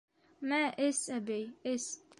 — Мә, эс, әбей, эс.